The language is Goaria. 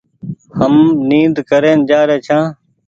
هم نيد ڪرين جآري ڇآن ۔